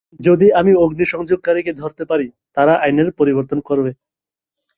যদি আমি অগ্নি সংযোগকারীকে ধরতে পারি, তারা আইনের পরিবর্তন করবে।